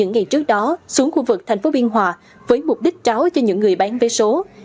sau đó xuống khu vực thành phố biên hòa với mục đích tráo cho những người bán vé số